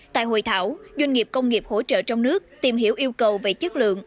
tại hội thảo doanh nghiệp công nghiệp hỗ trợ trong nước tìm hiểu yêu cầu về chất lượng